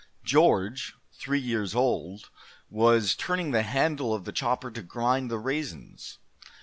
George, three years old, was turning the handle of the chopper to grind the raisins.